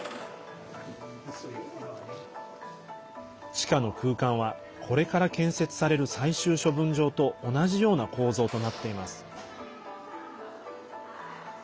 地下の空間はこれから建設される最終処分場と同じような構造となっています。